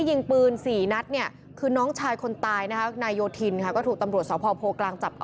ไอ้ไอ้ไอ้ไอ้ไอ้ไอ้ไอ้ไอ้ไอ้ไอ้ไอ้ไอ้ไอ้